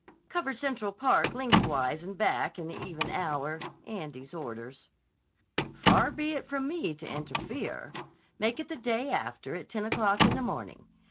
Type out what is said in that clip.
"Cover Central Park lengthwise and back in the even hour. Andy's orders." "Far be it from me to interfere. Make it the day after at ten o'clock in the morning.